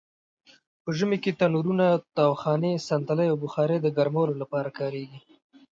په ژمې کې تنرونه؛ تاوخانې؛ صندلۍ او بخارۍ د ګرمولو لپاره کاریږي.